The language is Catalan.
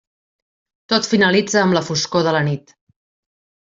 Tot finalitza amb la foscor de la nit.